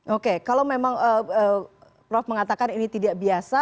oke kalau memang prof mengatakan ini tidak biasa